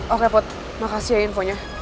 oke put makasih ya infonya